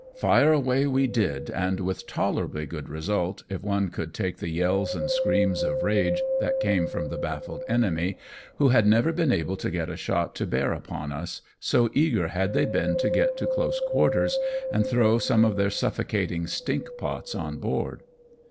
Fire away we did, and with toler ably good result, if one could take the yells and screams of rage that came from the baffled enemy, who had never been able to get a shot to bear upon us, so eager had they been to get to close quarters, and throw some of their suffocating stink pots on board.